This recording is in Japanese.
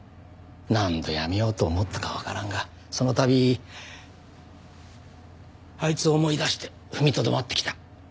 何度辞めようと思ったかわからんがその度あいつを思い出して踏みとどまってきた。